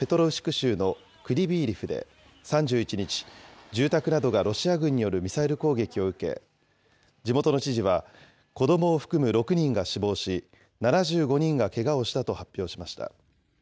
州のクリビーリフで３１日、住宅などがロシア軍によるミサイル攻撃を受け、地元の知事は、子どもを含む６人が死亡し、７５人がけがをしたと発表しました。